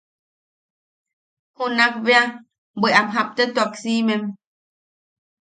Junak bea... bwe am japtetuak siimem.